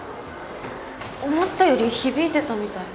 思ったより響いてたみたい。